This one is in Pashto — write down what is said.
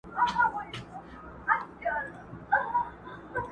تر غوږو مي ورته تاو كړل شخ برېتونه،